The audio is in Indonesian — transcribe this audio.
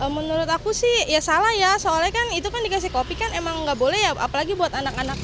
menurut aku sih ya salah ya soalnya kan itu kan dikasih kopi kan emang nggak boleh ya apalagi buat anak anak